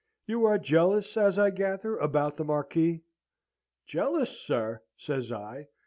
'You are jealous, as I gather, about the Marquis?' "'Jealous, sir!' says I.